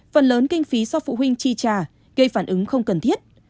phần lớn kinh phí do phụ huynh chi trả gây phản ứng không cần thiết